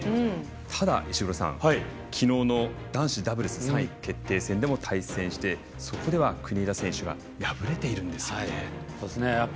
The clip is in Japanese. ただ、きのうの男子ダブルス３位決定戦でも対戦してそこでは国枝選手が敗れているんですよね。